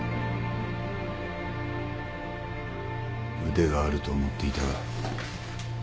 腕があると思っていたが。